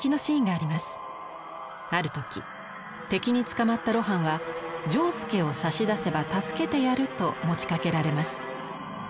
ある時敵に捕まった露伴は「仗助を差し出せば助けてやる」と持ちかけられます。